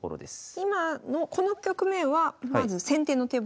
今のこの局面はまず先手の手番